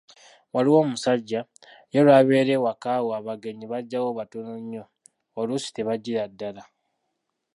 Waliwo omusajja, ye lw'abeera ewaka we "abagenyi" bajjawo batono nnyo, oluusi tebajjira ddala.